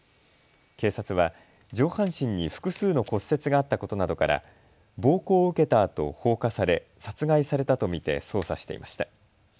警察は上半身に複数の骨折があったことなどから暴行を受けたあと放火され殺害されたと見て捜査していました。